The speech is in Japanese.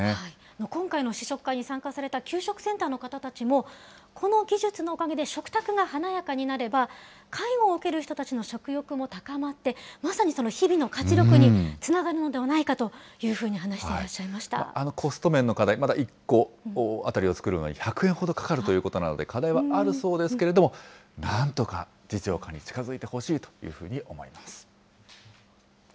今回の試食会に参加された給食センターの方たちも、この技術のおかげで食卓が華やかになれば、介護を受ける人たちの食欲も高まって、まさにその日々の活力につながるのではないかというふうにコスト面の課題、まだ１個当たりを作るのに１００円ほどかかるということなので、課題はあるそうですけれども、なんとか実用化に近づいてほしいというように思います。